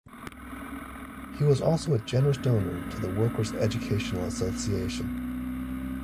He was also a generous donor to the Workers' Educational Association.